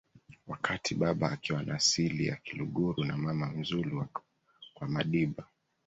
wakati baba akiwa na sili ya kiluguru na mama mzulu wa kwamadiba